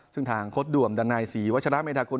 ซึ่งทางโฆษ์ด่วมดันไน๔วัชละเมธากุล